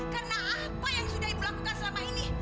karena apa yang sudah ibu lakukan selama ini